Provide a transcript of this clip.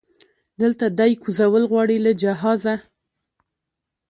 دلته دی کوزول غواړي له جهازه